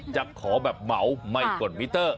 จะขอแบบเหมาไม่กดมิเตอร์